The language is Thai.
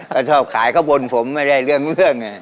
ก็ชอบขายก็บ่นผมไม่ได้เรื่อง